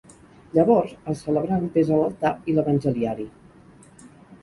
Llavors, el celebrant besa l'altar i l'evangeliari.